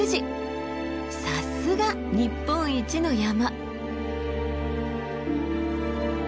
さすが日本一の山！